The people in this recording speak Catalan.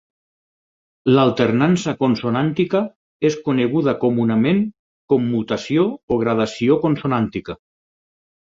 L'alternança consonàntica és coneguda comunament com mutació o gradació consonàntica.